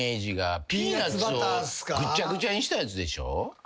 ピーナッツをぐちゃぐちゃにしたやつでしょ？